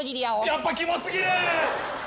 やっぱキモ過ぎる！